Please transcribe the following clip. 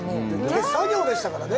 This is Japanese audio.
手作業でしたからね